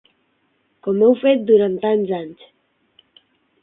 Com heu fet durant tants anys.